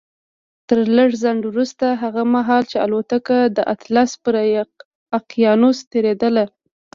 تر لږ ځنډ وروسته هغه مهال چې الوتکه د اطلس پر اقيانوس تېرېدله.